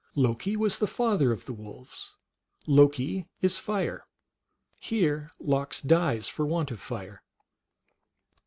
Loki was the father of the wolves. Loki is fire ; here Lox dies for want of fire.